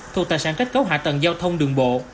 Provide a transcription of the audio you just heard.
thuộc tài sản kết cấu hạ tầng giao thông đường bộ